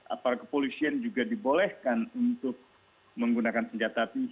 apakah kepolisian juga dibolehkan untuk menggunakan senjata api